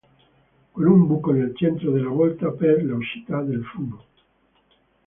Con un buco nel centro della volta per l'uscita del fumo.